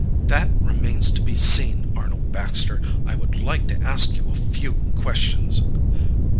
"That remains to be seen, Arnold Baxter. I would like to ask you a few questions."